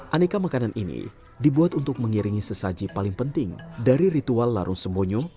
aneka makanan ini dibuat untuk mengiringi sesaji paling penting dari ritual larung sembonyo